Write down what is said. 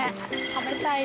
食べたいね。